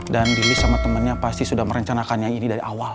dan lelis sama temennya pasti sudah merencanakan yang ini dari awal